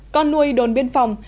con nuôi đồn biên phòng